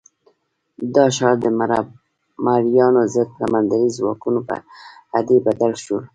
دا ښار د مریانو ضد سمندري ځواکونو پر اډې بدل شو.